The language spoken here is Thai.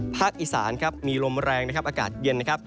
อีสานครับมีลมแรงนะครับอากาศเย็นนะครับ